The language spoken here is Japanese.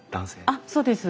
あっそうです。